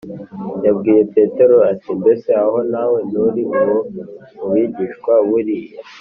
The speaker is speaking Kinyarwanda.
yabwiye petero ati, “mbese aho nawe nturi uwo mu bigishwa b’uriya